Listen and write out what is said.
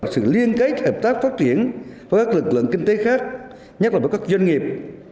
sự liên kết hợp tác phát triển với các lực lượng kinh tế khác nhất là với các doanh nghiệp